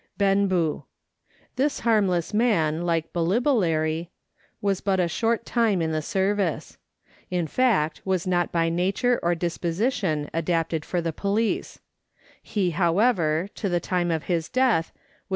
Benboo. This harmless man, like Billibellary, was but a short time in the service ; in fact, was not by nature or disposition adapted for the police ; he, however, to the time of his death was 72 Letters from Victorian Pioneers.